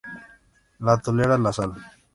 No tolera la sal.